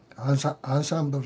アンサンブル。